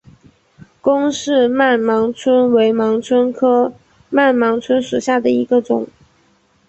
龚氏曼盲蝽为盲蝽科曼盲蝽属下的一个种。